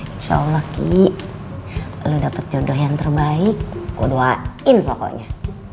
insya allah ki lo dapat jodoh yang terbaik gue doain pokoknya